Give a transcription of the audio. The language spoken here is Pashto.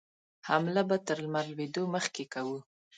حمله به تر لمر لوېدو مخکې کوو.